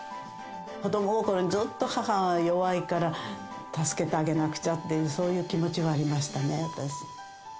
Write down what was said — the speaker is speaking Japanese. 子ども心に、ずっと、母は弱いから、助けてあげなくちゃって、そういう気持ちがありましたね、私。